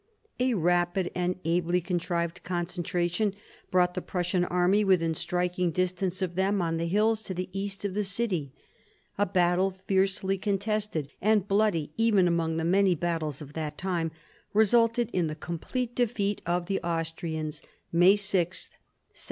A rapid and ably contrived concentration brought the Prussian army within striking distance of them on the hills to the east of the city. A battle fiercely contested, and bloody even among the many battles of that time, resulted in the complete defeat of the Austrians (May 6, 1757).